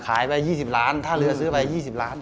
ขายไป๒๐ล้านหรือเสื้อไป๒๐ล้าน